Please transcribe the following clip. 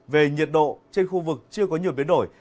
về nhiệt độ trên khu vực chưa có nhiều biến đổi